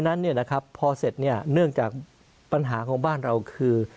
๑ในนั้นนะครับพอเสร็จเนื่องจากปัญหาของบ้านเราคือ